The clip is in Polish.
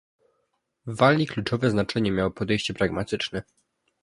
W Walii kluczowe znaczenie miało podejście pragmatyczne